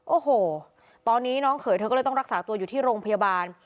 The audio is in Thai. โอ้โหตอนนี้น้องเขยเธอก็เลยต้องรักษาตัวอยู่ที่โรงพยาบาล